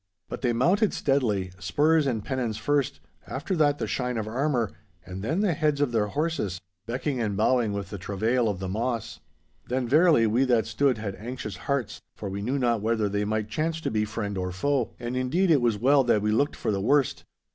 But they mounted steadily, spears and pennons first, after that the shine of armour, and then the heads of their horses, becking and bowing with the travail of the moss. Then verily we that stood had anxious hearts, for we knew not whether they might chance to be friend or foe, and, indeed, it was well that we looked for the worst.